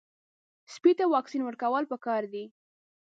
سپي ته واکسین ورکول پکار دي.